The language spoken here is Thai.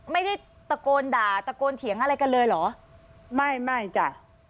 ไม่ได้ตะโกนด่าตะโกนเถียงอะไรกันเลยเหรอไม่ไม่จ้ะ